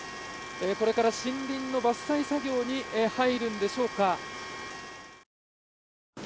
これから森林の伐採作業に入るんでしょうか。